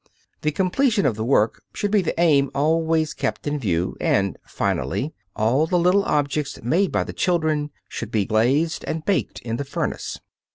The completion of the work should be the aim always kept in view, and, finally, all the little objects made by the children should be glazed and baked in the furnace.